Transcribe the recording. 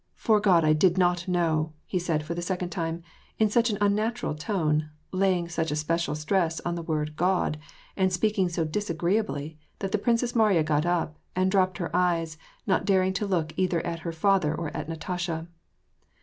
— 'Fore God I did not know," he said for the second time, in such an unnatural tone, laying such a special stress on the word " God," and speaking so dis agreeably, that the Princess Mariya got up, and dropped her eyes, not daring to look either at her father or at Natasha.